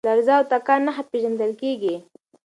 لرزه او تکان نښه پېژندل کېږي.